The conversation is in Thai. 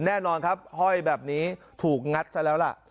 แน่นอนครับห้อยแบบนี้ถูกงัดซะแล้วล่ะ